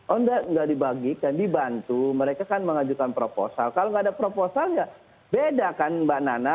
oh enggak dibagikan dibantu mereka kan mengajukan proposal kalau nggak ada proposal ya beda kan mbak nana